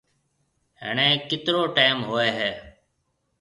هڻيَ ڪيترو ٽيم هوئي هيَ؟